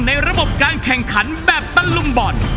ในระบบการแข่งขันแบบตะลุมบอล